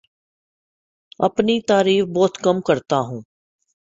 اپنی تعریف بہت کم کرتا ہوں